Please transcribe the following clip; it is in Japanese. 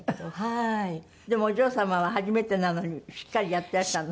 でもお嬢様は初めてなのにしっかりやってらしたの？